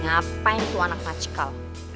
ngapain tuh anak macikal